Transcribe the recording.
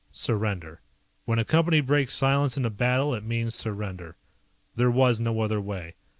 Surrender. When a Company breaks silence in a battle it means surrender. There was no other way.